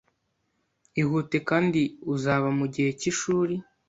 Ihute, kandi uzaba mugihe cyishuri.